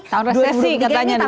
tahun resesi katanya dulu